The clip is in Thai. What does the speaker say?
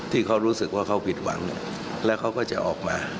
ที่เขารู้สึกว่าเขาผิดหวังแล้วเขาก็จะออกมา